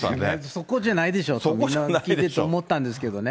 そこじゃないでしょと、聞いてて思ったんですけどね。